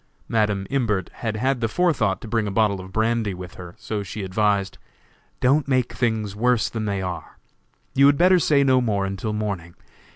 Madam Imbert had had the forethought to bring a bottle of brandy with her, so she advised: "Don't make things worse than they are; you had better say no more until morning.